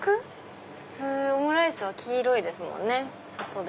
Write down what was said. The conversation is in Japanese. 普通オムライスは黄色いですもんね外で。